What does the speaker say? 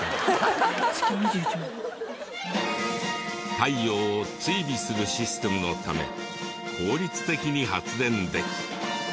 太陽を追尾するシステムのため効率的に発電でき。